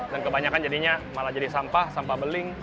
dan kebanyakan jadinya malah jadi sampah sampah beling